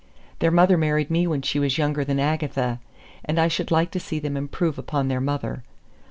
Their mother married me when she was younger than Agatha; and I should like to see them improve upon their mother!